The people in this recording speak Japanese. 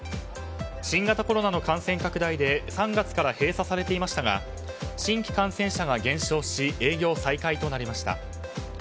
新型コロナの感染拡大で３月から閉鎖されていましたが新規感染者数が減少し営業再開となりました。